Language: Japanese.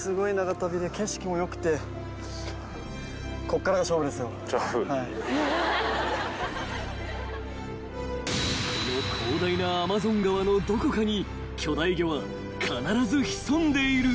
［この広大なアマゾン川のどこかに巨大魚は必ず潜んでいる］